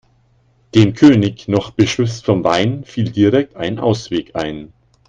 Dem König, noch beschwipst vom Wein, fiel direkt ein Ausweg ein.